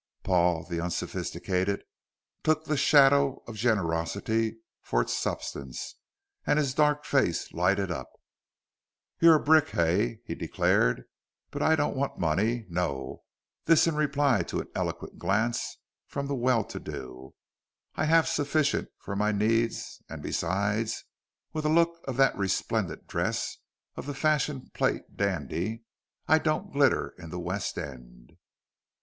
Paul, the unsophisticated, took the shadow of generosity for its substance, and his dark face lighted up. "You're a brick, Hay," he declared, "but I don't want money. No!" this in reply to an eloquent glance from the well to do "I have sufficient for my needs, and besides," with a look at the resplendent dress of the fashion plate dandy, "I don't glitter in the West End."